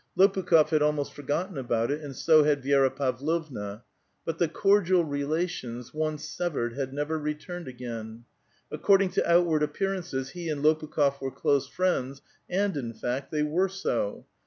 l>opukli6f had almost foi^ottcn about it, aud BO had VIera Pavloviia. But the coi*dial relations, once sev ered, had wvwv returned again. According to outward ap pearances, lie and l^pukh6f were close friends, and, in fact, tliey were so.